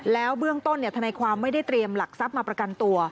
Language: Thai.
แล้วเบื้องต้นธนายความไม่ได้เตรียมหลักทรัพย์มาประกันตัว